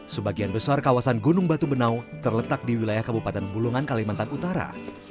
sebagian besar kawasan gunung batu benau terletak di wilayah kabupaten bulungan kalimantan utara